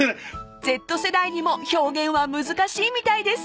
［Ｚ世代にも表現は難しいみたいです］